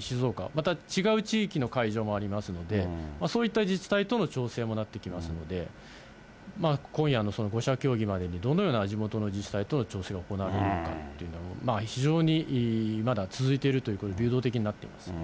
静岡、また違う地域の会場もありますので、そういった自治体との調整もなってきますので、今夜の５者協議までにどのような地元の自治体との調整が行われるのかというのも、非常にまだ続いているというか、流動的になっていますね。